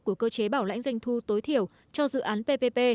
của cơ chế bảo lãnh doanh thu tối thiểu cho dự án ppp